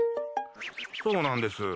そうなんです。